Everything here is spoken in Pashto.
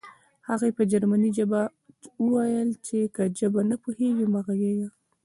هغې په جرمني ژبه وویل چې که ژبه نه پوهېږې مه غږېږه